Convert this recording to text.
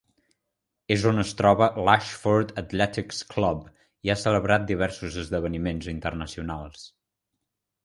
És on es troba l'Ashford Athletics Club i ha celebrat diversos esdeveniments internacionals.